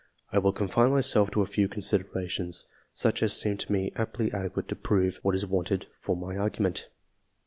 I will confine myself to a few considerations, such as seem to me amply adequate to prove what is wanted for my argument.